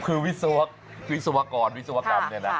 คือวิศวกรวิศวกรรมเนี่ยนะ